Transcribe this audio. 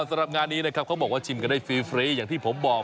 สำหรับงานนี้นะครับเขาบอกว่าชิมกันได้ฟรีอย่างที่ผมบอก